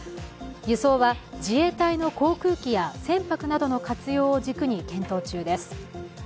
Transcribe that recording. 輸送は自衛隊の航空機や船舶などの活用を軸に検討中です。